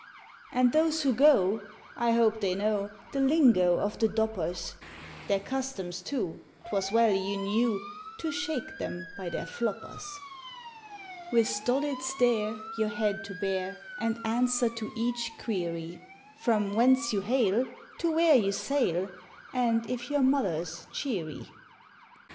And those who go I hope they know The lingo of the "Doppers;" Their customs too, 'twas well you knew, To shake them by their floppers. With stolid stare, your head to bare, And answer to each query; From whence you hail, to where you sail, And if your mother's cheery.